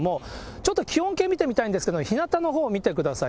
ちょっと気温計見てみたいんですけれども、ひなたのほうを見てください。